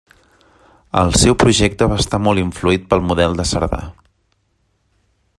El seu projecte va estar molt influït pel model de Cerdà.